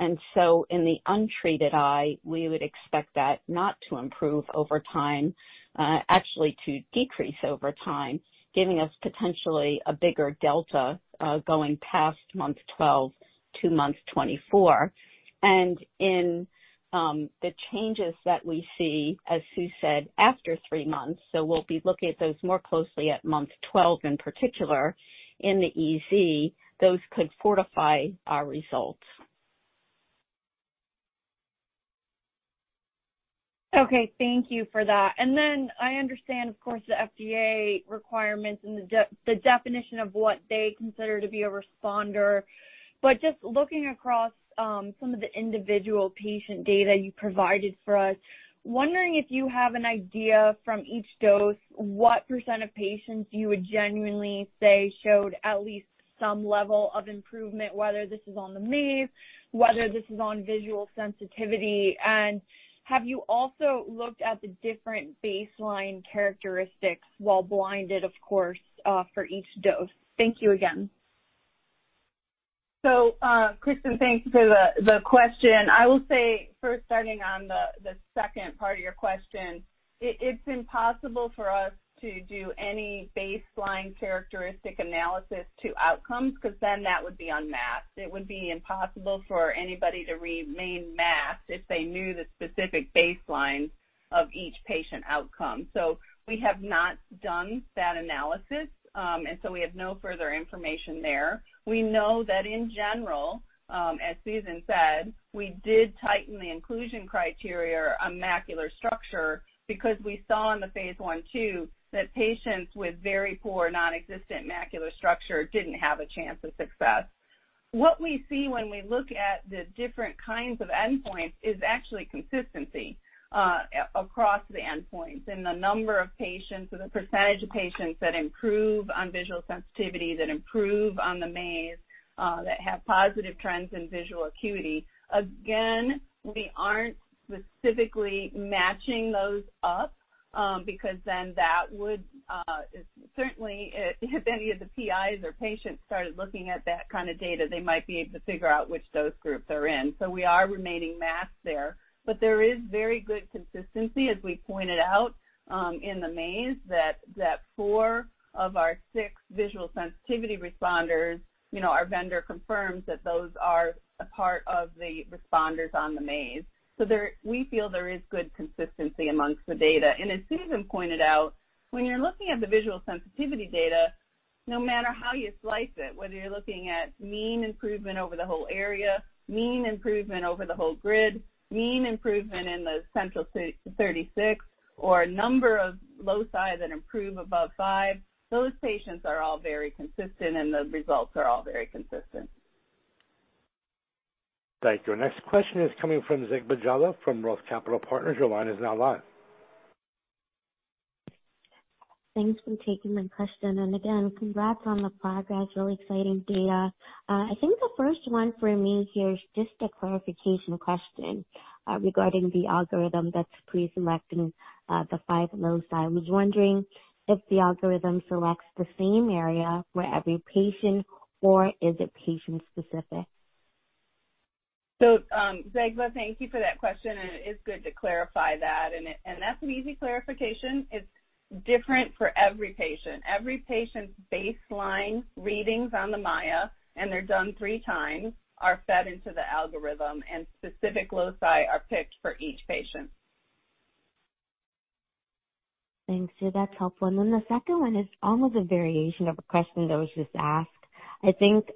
In the untreated eye, we would expect that not to improve over time, actually to decrease over time, giving us potentially a bigger delta going past month 12 to month 24. In the changes that we see, as Sue said, after three months. We'll be looking at those more closely at month 12 in particular in the EZ. Those could fortify our results.
Okay, thank you for that. Then I understand of course the FDA requirements and the the definition of what they consider to be a responder. Just looking across, some of the individual patient data you provided for us, wondering if you have an idea from each dose, what % of patients you would genuinely say showed at least some level of improvement, whether this is on the maze, whether this is on visual sensitivity. Have you also looked at the different baseline characteristics while blinded, of course, for each dose? Thank you again.
Kristen, thanks for the question. I will say first, starting on the second part of your question, it's impossible for us to do any baseline characteristic analysis to outcomes, because then that would be unmasked. It would be impossible for anybody to remain masked if they knew the specific baseline of each patient outcome. We have not done that analysis. We have no further information there. We know that in general, as Susan said, we did tighten the inclusion criteria on macular structure because we saw in phase I/II that patients with very poor nonexistent macular structure didn't have a chance of success. What we see when we look at the different kinds of endpoints is actually consistency across the endpoints in the number of patients or the percentage of patients that improve on visual sensitivity, that improve on the maze, that have positive trends in visual acuity. Again, we aren't specifically matching those up because then that would certainly if any of the PIs or patients started looking at that kind of data, they might be able to figure out which dose groups they're in. We are remaining masked there. There is very good consistency, as we pointed out, in the maze that four of our six visual sensitivity responders, you know, our vendor confirms that those are a part of the responders on the maze. We feel there is good consistency amongst the data. As Susan pointed out, when you're looking at the visual sensitivity data, no matter how you slice it, whether you're looking at mean improvement over the whole area, mean improvement over the whole grid, mean improvement in the central 36, or number of loci that improve above five, those patients are all very consistent, and the results are all very consistent.
Thank you. Next question is coming from Zegbeh Jallah from Roth Capital Partners. Your line is now live.
Thanks for taking my question. Again, congrats on the progress. Really exciting data. I think the first one for me here is just a clarification question, regarding the algorithm that's pre-selecting, the five loci. I was wondering if the algorithm selects the same area for every patient or is it patient specific?
Zegbeh Jallah, thank you for that question. It is good to clarify that. That's an easy clarification. It's different for every patient. Every patient's baseline readings on the MAIA, and they're done three times, are fed into the algorithm, and specific loci are picked for each patient.
Thanks. Yeah, that's helpful. The second one is almost a variation of a question that was just asked. I think,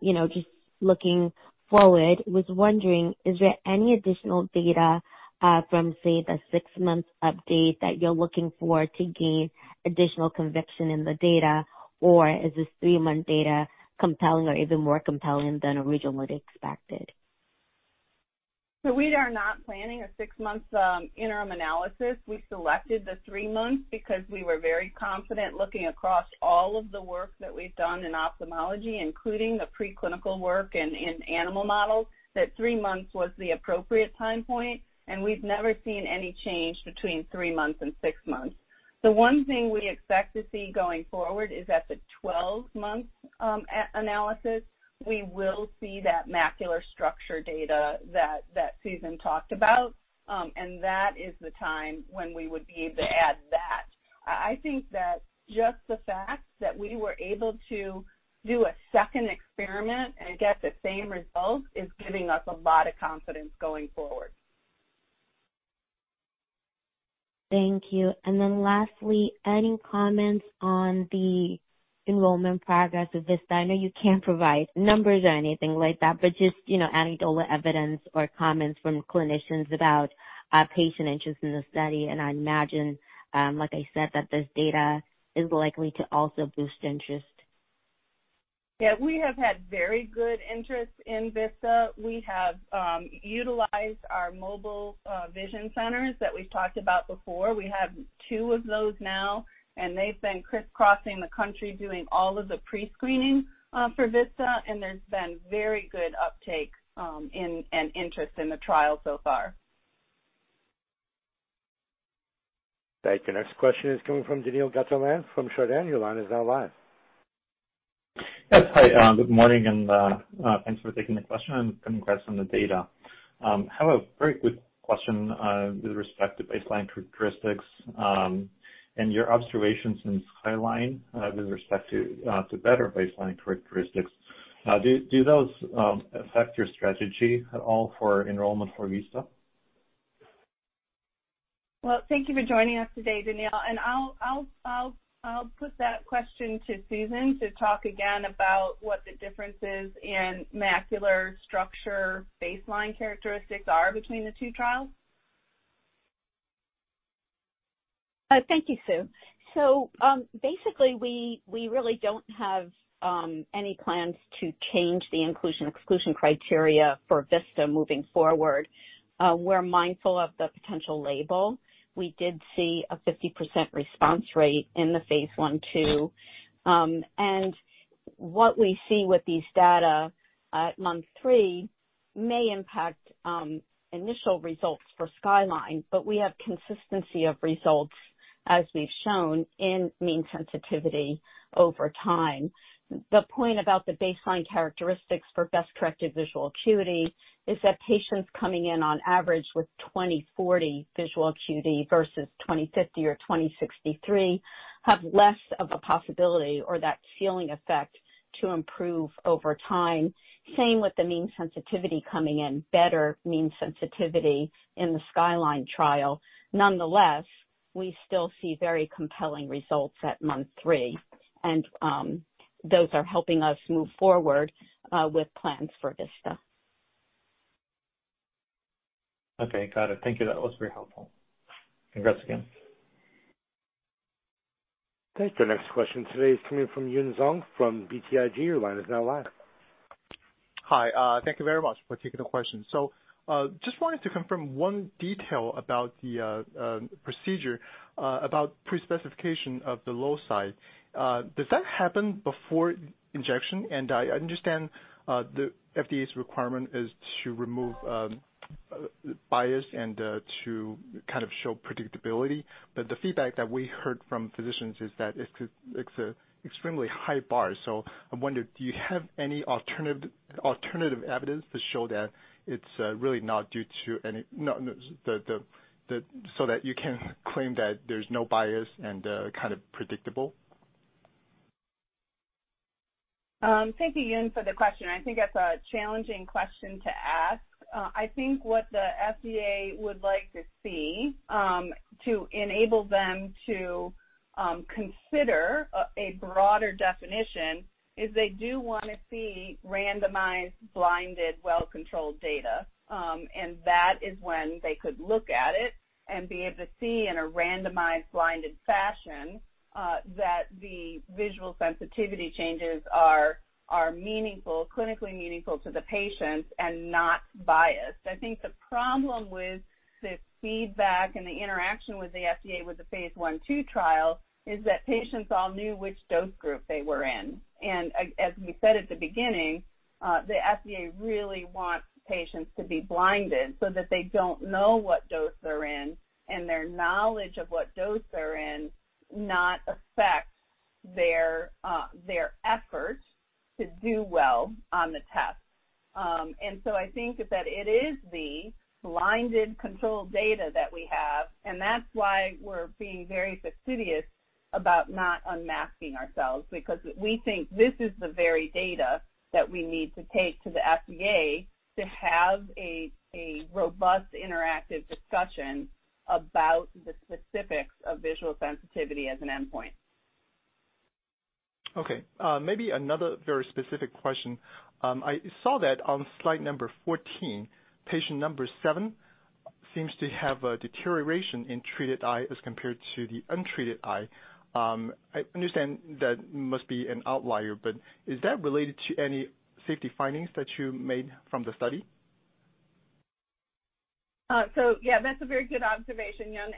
you know, just looking forward, was wondering, is there any additional data from, say, the six-month update that you're looking for to gain additional conviction in the data? Or is this three-month data compelling or even more compelling than originally expected?
We are not planning a six-month interim analysis. We selected the three months because we were very confident looking across all of the work that we've done in ophthalmology, including the preclinical work in animal models, that three months was the appropriate time point, and we've never seen any change between three months and six months. The one thing we expect to see going forward is at the 12-month analysis, we will see that macular structure data that Susan talked about. That is the time when we would be able to add that. I think that just the fact that we were able to do a second experiment and get the same results is giving us a lot of confidence going forward.
Thank you. Lastly, any comments on the enrollment progress of VISTA? I know you can't provide numbers or anything like that, but just, you know, anecdotal evidence or comments from clinicians about, patient interest in the study. I imagine, like I said, that this data is likely to also boost interest.
Yeah, we have had very good interest in VISTA. We have utilized our mobile vision centers that we've talked about before. We have two of those now, and they've been crisscrossing the country doing all of the pre-screening for VISTA. There's been very good uptake, and interest in the trial so far.
Thank you. Next question is coming from Daniil Gataulin from Chardan. Your line is now live.
Yes. Hi, good morning, and thanks for taking the question and congrats on the data. Have a very quick question, with respect to baseline characteristics, and your observations in Skyline, with respect to to better baseline characteristics. Do those affect your strategy at all for enrollment for VISTA?
Well, thank you for joining us today, Daniel. I'll put that question to Susan to talk again about what the differences in macular structure baseline characteristics are between the two trials.
Thank you, Sue. Basically we really don't have any plans to change the inclusion/exclusion criteria for VISTA moving forward. We're mindful of the potential label. We did see a 50% response rate in the Phase I/II. What we see with these data at month three may impact initial results for Skyline, but we have consistency of results as we've shown in mean sensitivity over time. The point about the baseline characteristics for best-corrected visual acuity is that patients coming in on average with 20/40 visual acuity versus 20/50 or 20/63 have less of a possibility or that ceiling effect to improve over time. Same with the mean sensitivity coming in. Better mean sensitivity in the Skyline trial. Nonetheless, we still see very compelling results at month three, and those are helping us move forward with plans for VISTA.
Okay. Got it. Thank you. That was very helpful. Congrats again.
Thank you. Next question today is coming from Yun Zhong from BTIG. Your line is now live.
Hi, thank you very much for taking the question. Just wanted to confirm one detail about the procedure about pre-specification of the low side. Does that happen before injection? I understand the FDA's requirement is to remove bias and to kind of show predictability, but the feedback that we heard from physicians is that it's a extremely high bar. I wonder, do you have any alternative evidence to show that it's really not due to any. That you can claim that there's no bias and kind of predictable.
Thank you, Yun, for the question. I think that's a challenging question to ask. I think what the FDA would like to see, to enable them to consider a broader definition is they do wanna see randomized, blinded, well-controlled data. That is when they could look at it and be able to see in a randomized blinded fashion, that the visual sensitivity changes are meaningful, clinically meaningful to the patients and not biased. I think the problem with the feedback and the interaction with the FDA with the phase I/II trial is that patients all knew which dose group they were in. As we said at the beginning, the FDA really wants patients to be blinded so that they don't know what dose they're in, and their knowledge of what dose they're in not affect their effort to do well on the test. I think that it is the blinded controlled data that we have, and that's why we're being very fastidious about not unmasking ourselves, because we think this is the very data that we need to take to the FDA to have a robust interactive discussion about the specifics of visual sensitivity as an endpoint.
Okay. Maybe another very specific question. I saw that on slide number 14, patient number seven seems to have a deterioration in treated eye as compared to the untreated eye. I understand that must be an outlier, but is that related to any safety findings that you made from the study?
Yeah, that's a very good observation, Yun.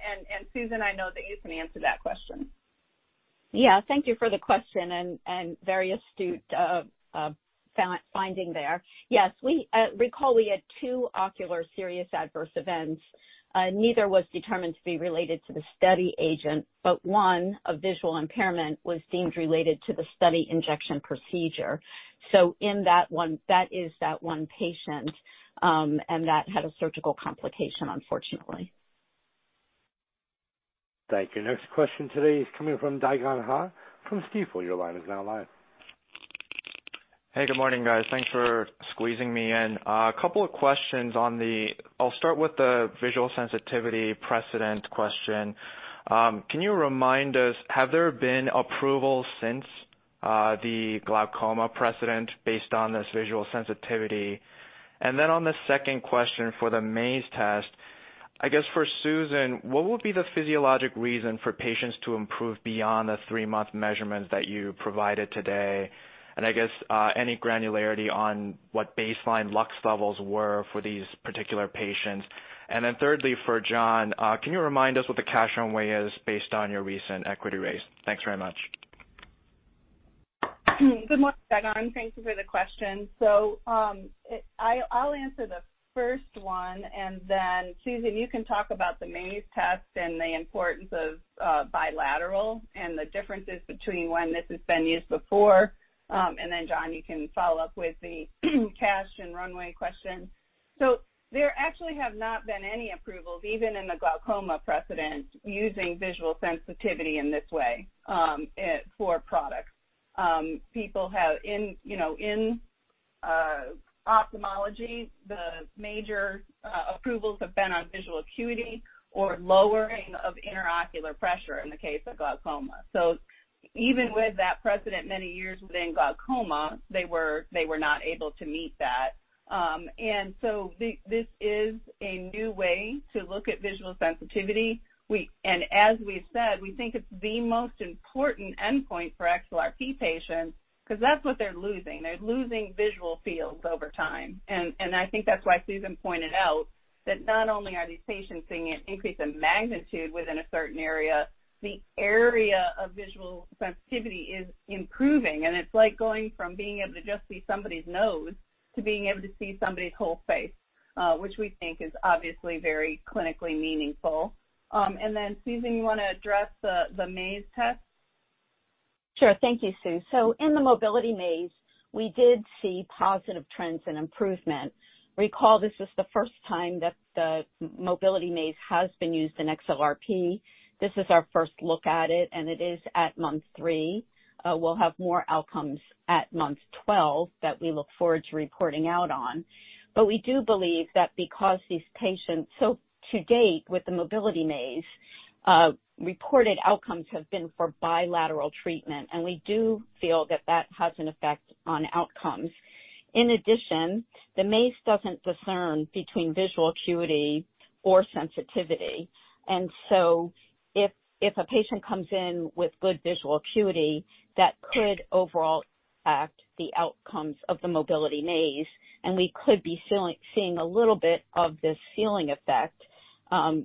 Susan, I know that you can answer that question.
Yeah. Thank you for the question and very astute finding there. Yes, we recall we had 2 ocular serious adverse events. Neither was determined to be related to the study agent, but one, a visual impairment, was deemed related to the study injection procedure. In that one, that is that one patient, and that had a surgical complication, unfortunately.
Thank you. Next question today is coming from Dae Gon Ha from Stifel. Your line is now live.
Hey, good morning, guys. Thanks for squeezing me in. A couple of questions. I'll start with the visual sensitivity precedent question. Can you remind us, have there been approvals since the glaucoma precedent based on this visual sensitivity? On the second question for the maze test, I guess for Susan, what would be the physiologic reason for patients to improve beyond the three-month measurements that you provided today? And I guess any granularity on what baseline lux levels were for these particular patients. And then thirdly, for John, can you remind us what the cash on hand is based on your recent equity raise? Thanks very much.
Good morning, Dae Gon. Thank you for the question. I'll answer the first one, and then Susan, you can talk about the maze test and the importance of bilateral and the differences between when this has been used before. And then John, you can follow up with the cash and runway question. There actually have not been any approvals, even in the glaucoma precedent, using visual sensitivity in this way, for products. People have, you know, in ophthalmology, the major approvals have been on visual acuity or lowering of intraocular pressure in the case of glaucoma. Even with that precedent many years within glaucoma, they were not able to meet that. This is a new way to look at visual sensitivity. As we've said, we think it's the most important endpoint for XLRP patients because that's what they're losing. They're losing visual fields over time. I think that's why Susan pointed out that not only are these patients seeing an increase in magnitude within a certain area, the area of visual sensitivity is improving. It's like going from being able to just see somebody's nose to being able to see somebody's whole face, which we think is obviously very clinically meaningful. Susan, you wanna address the maze test?
Sure. Thank you, Sue. In the mobility maze, we did see positive trends and improvement. Recall this is the first time that the mobility maze has been used in XLRP. This is our first look at it, and it is at month three. We'll have more outcomes at month 12 that we look forward to reporting out on. We do believe that to date, with the mobility maze, reported outcomes have been for bilateral treatment, and we do feel that that has an effect on outcomes. In addition, the maze doesn't discern between visual acuity or sensitivity. If a patient comes in with good visual acuity, that could overall affect the outcomes of the mobility maze, and we could be still seeing a little bit of this ceiling effect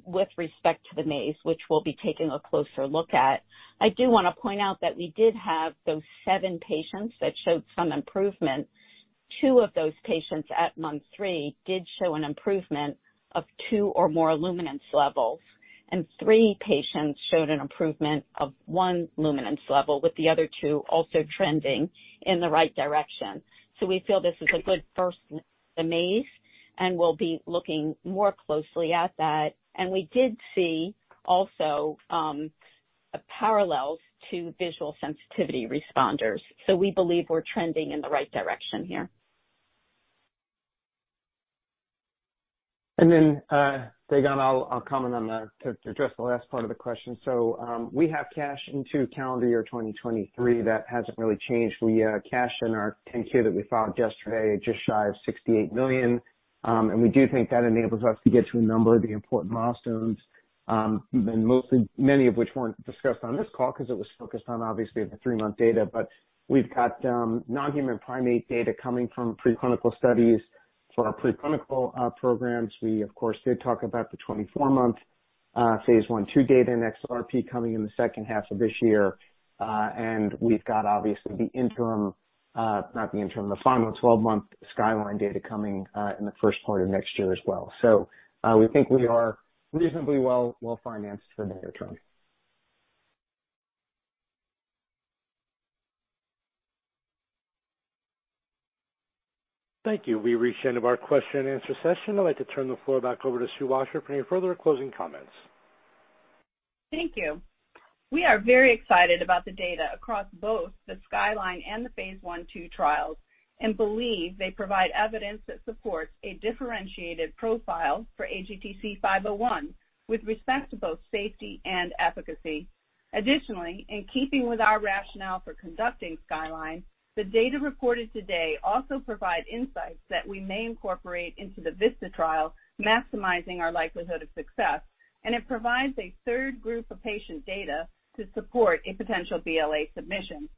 with respect to the maze, which we'll be taking a closer look at. I do wanna point out that we did have those seven patients that showed some improvement. Two of those patients at month three did show an improvement of two or more luminance levels, and three patients showed an improvement of one luminance level, with the other two also trending in the right direction. We feel this is a good first maze, and we'll be looking more closely at that. We did see also a parallel to visual sensitivity responders. We believe we're trending in the right direction here.
Dae Gon, I'll comment to address the last part of the question. We have cash into calendar year 2023. That hasn't really changed. We cashed in our 10-K that we filed yesterday at just shy of $68 million. We do think that enables us to get to a number of the important milestones, and mostly, many of which weren't discussed on this call because it was focused on, obviously, the three-month data. We've got non-human primate data coming from preclinical studies for our preclinical programs. We, of course, did talk about the 24-month phase I/II data in XLRP coming in the second half of this year. We've got obviously the 12-month Skyline data coming in the first quarter of next year as well. We think we are reasonably well-financed for the near term.
Thank you. We've reached the end of our question and answer session. I'd like to turn the floor back over to Sue Washer for any further closing comments.
Thank you. We are very excited about the data across both the Skyline and the phase I/II trials, and believe they provide evidence that supports a differentiated profile for AGTC-501 with respect to both safety and efficacy. Additionally, in keeping with our rationale for conducting Skyline, the data reported today also provide insights that we may incorporate into the VISTA trial, maximizing our likelihood of success, and it provides a third group of patient data to support a potential BLA submission.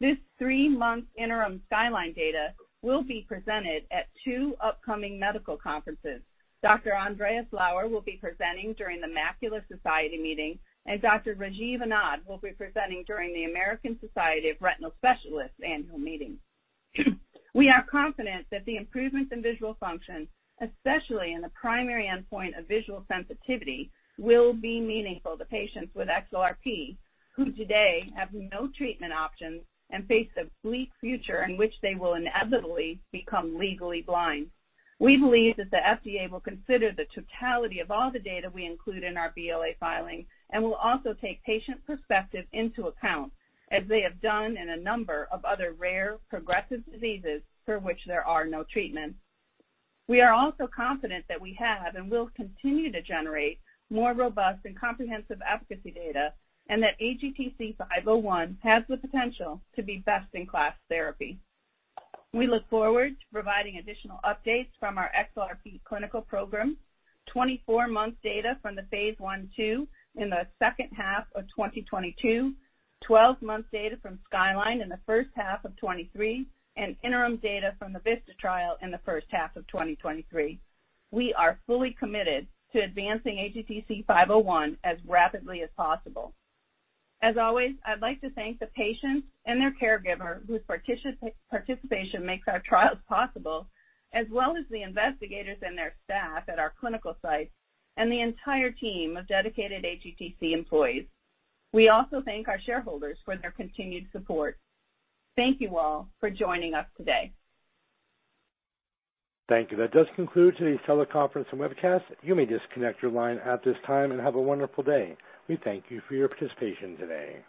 This three-month interim Skyline data will be presented at two upcoming medical conferences. Dr. Andreas K. Lauer will be presenting during the Macula Society meeting, and Dr. Rajiv Anand will be presenting during the American Society of Retina Specialists annual meeting. We are confident that the improvements in visual function, especially in the primary endpoint of visual sensitivity, will be meaningful to patients with XLRP who today have no treatment options and face a bleak future in which they will inevitably become legally blind. We believe that the FDA will consider the totality of all the data we include in our BLA filing and will also take patient perspective into account, as they have done in a number of other rare progressive diseases for which there are no treatments. We are also confident that we have and will continue to generate more robust and comprehensive efficacy data and that AGTC-501 has the potential to be best-in-class therapy. We look forward to providing additional updates from our XLRP clinical program. 24-month data from the phase I/II in the second half of 2022. Twelve-month data from Skyline in the first half of 2023, and interim data from the VISTA trial in the first half of 2023. We are fully committed to advancing AGTC-501 as rapidly as possible. As always, I'd like to thank the patients and their caregivers whose participation makes our trials possible, as well as the investigators and their staff at our clinical sites and the entire team of dedicated AGTC employees. We also thank our shareholders for their continued support. Thank you all for joining us today.
Thank you. That does conclude today's teleconference and webcast. You may disconnect your line at this time, and have a wonderful day. We thank you for your participation today.